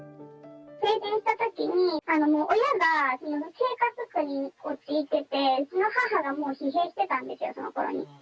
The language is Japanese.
成人したときに、親が生活苦に陥ってて、うちの母がもう疲弊してたんですよ、そのころに。